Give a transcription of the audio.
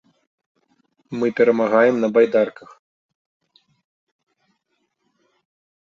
Мы перамагаем на байдарках.